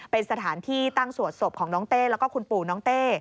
เป็นสถานที่ตั้งสวดศพของน้องเต้แล้วก็คุณปู่น้องเต้